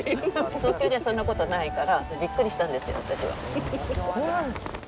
東京じゃ、そんなことないから、びっくりしたんですよ、私は。